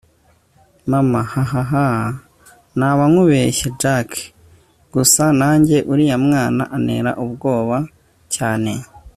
mama hahaha! naba nkubeshye jack! gusa nanjye uriya mwana antera ubwoba cyane